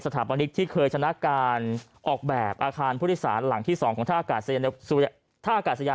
ที่เคยชะนักการออกแบบอาคารผู้ทฤษฐานหลังที่๒ของท่าอากาศสัญญา